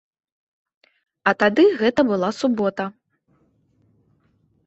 А тады гэта была субота.